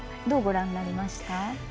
どうご覧になりました？